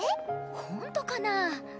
ほんとかなあ。